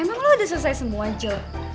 emang lo udah selesai semua jo